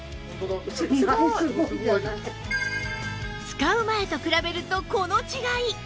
使う前と比べるとこの違い